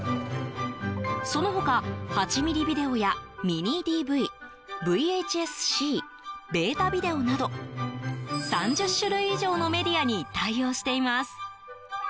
その他、８ミリビデオやミニＤＶＶＨＳ‐Ｃ、ベータビデオなど３０種類以上のメディアに対応しています。